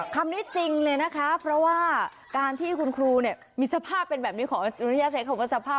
คำนี้จริงเลยนะคะเพราะว่าการที่คุณครูเนี่ยมีสภาพเป็นแบบนี้ขออนุญาตใช้คำว่าสภาพ